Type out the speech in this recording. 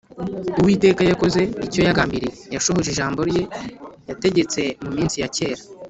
Uwiteka yakoze icyo yagambiriye, Yashohoje ijambo rye yategetse mu minsi ya kera.